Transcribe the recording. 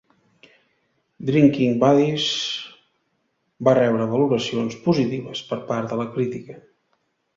"Drinking Buddies" va rebre valoracions positives per part de la crítica.